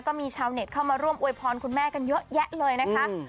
ก็มีชาวเน็ตเข้ามาร่วมอวยพรคุณแม่กันเยอะแยะเลยนะคะ